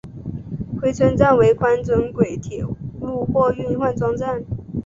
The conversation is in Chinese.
珲春站为宽准轨铁路货运换装站。